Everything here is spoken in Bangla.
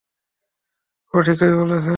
ও ঠিকই বলেছে!